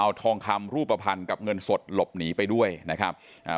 เอาทองคำรูปภัณฑ์กับเงินสดหลบหนีไปด้วยนะครับอ่า